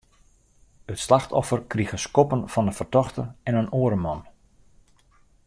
It slachtoffer krige skoppen fan de fertochte en in oare man.